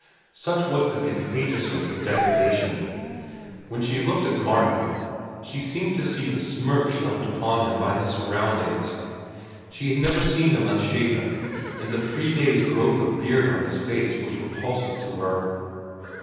Such was the contagiousness of degradation. When she looked at Martin, she seemed to see the smirch left upon him by his surroundings. She had never seen him unshaven, and the three days' growth of beard on his face was repulsive to her.